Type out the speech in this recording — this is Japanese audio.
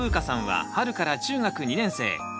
さんは春から中学２年生。